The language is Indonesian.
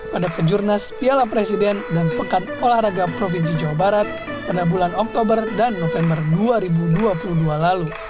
pada kejurnas piala presiden dan pekan olahraga provinsi jawa barat pada bulan oktober dan november dua ribu dua puluh dua lalu